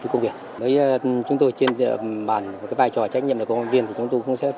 với công việc với chúng tôi trên bàn cái vai trò trách nhiệm của công an viên thì chúng tôi cũng sẽ